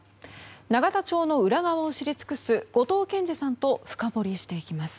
永田町の裏側を知り尽くす後藤謙次さんと深掘りしていきます。